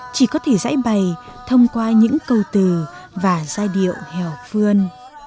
chỉ có thể giải bày thông qua những câu từ và giai điệu hèo phương